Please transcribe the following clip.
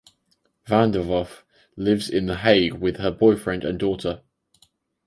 Van der Werf lives in The Hague with her boyfriend and daughter.